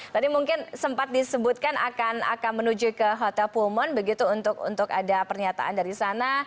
tadi mungkin sempat disebutkan akan menuju ke hotel pulmon begitu untuk ada pernyataan dari sana